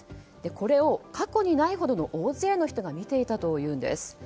これを、過去にないほどの大勢の人が見ていたというんです。